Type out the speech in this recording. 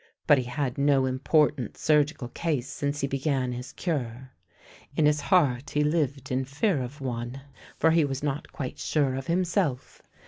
But he had had no important surgical case since he began his cure. In his heart he lived in fear of one ; for he was not quite sure of himself.